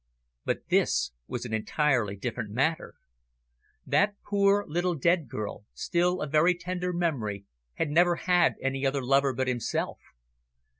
But this was an entirely different matter. That poor little dead girl, still a very tender memory, had never had any other lover but himself.